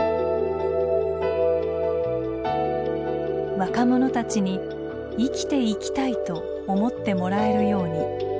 若者たちに生きていきたいと思ってもらえるように。